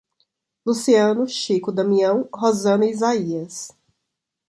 Luciano, Chico, Damião, Rosana e Isaías